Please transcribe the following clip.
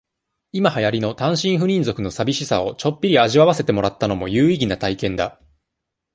今流行の、単身赴任族の淋しさを、ちょっぴり味わわせてもらったのも、有意義な体験だ。